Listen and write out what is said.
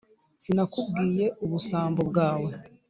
sinakubwiye ubusambo bwawe!